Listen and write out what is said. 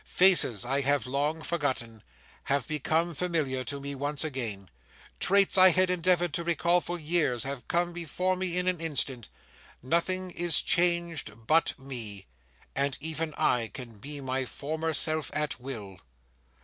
Faces I had long forgotten have become familiar to me once again; traits I had endeavoured to recall for years have come before me in an instant; nothing is changed but me; and even I can be my former self at will.